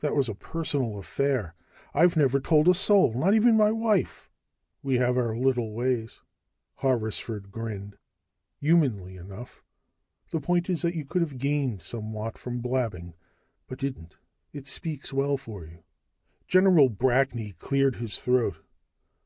That was a personal affair. I've never told a soul, not even my wife!" "We have our little ways." Horrisford grinned, humanly enough. "The point is that you could have gained somewhat by blabbing, but didn't. It speaks well for you." General Brackney cleared his throat.